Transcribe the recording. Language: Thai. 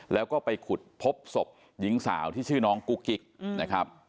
แล้วก็ไปขุดพบศพหญิงสาวที่ชื่อน้องกุ๊กกิ๊กนะครับ